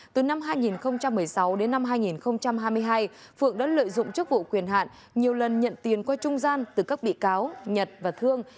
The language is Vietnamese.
từ năm hai nghìn một mươi sáu đến năm hai nghìn hai mươi hai phượng đã lợi dụng chức vụ quyền hạn nhiều lần nhận tiền qua trung gian từ các bị cáo nhật và thương